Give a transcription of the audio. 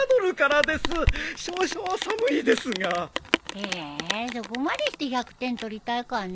へえーそこまでして１００点取りたいかね。